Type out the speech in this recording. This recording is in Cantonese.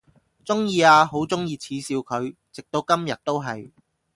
鍾意啊，好鍾意恥笑佢，直到今日都係！